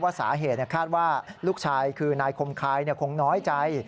สาเหตุคาดว่าลูกชายคือนายคมคายคงน้อยใจ